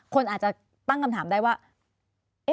คนอาจจะตั้งคำถามได้ว่า